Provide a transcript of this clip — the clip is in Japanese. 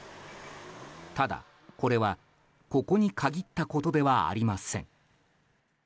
ただこれはここに限ったことではありません。